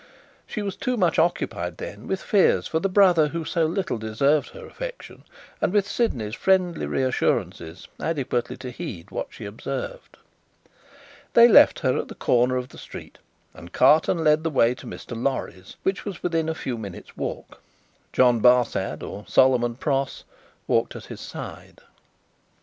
She was too much occupied then with fears for the brother who so little deserved her affection, and with Sydney's friendly reassurances, adequately to heed what she observed. They left her at the corner of the street, and Carton led the way to Mr. Lorry's, which was within a few minutes' walk. John Barsad, or Solomon Pross, walked at his side. Mr.